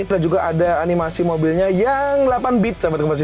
dan juga ada animasi mobilnya yang delapan bit